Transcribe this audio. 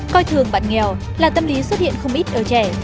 coi thường bạn nghèo là tâm lý xuất hiện không ít ở trẻ